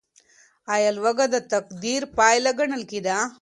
ايا لوږه د تقدير پايله ګڼل کيده؟